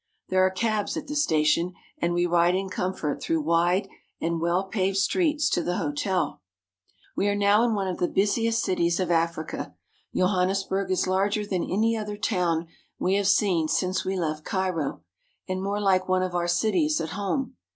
There arc cabs at the station, and we ride in com ^^^K fort through wide and well paved streets to the hotel. Smelting works. We are now in one of the bu.siest cities of Africa. Johan nesburg is larger than any other town we have seen since we left Cairo, and more like one of our cities at home.